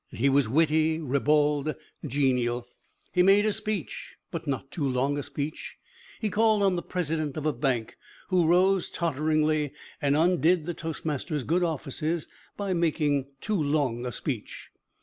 He was witty, ribald, genial. He made a speech, but not too long a speech. He called on the president of a bank, who rose totteringly and undid the toastmaster's good offices by making too long a speech.